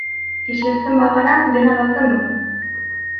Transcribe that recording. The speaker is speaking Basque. Isiltzen bagara dena galtzen dugu.